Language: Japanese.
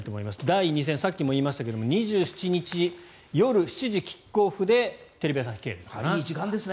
第２戦、さっきも言いましたが２７日夜７時キックオフでテレビ朝日系列かな。